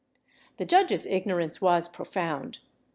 The judge's ignorance was profound.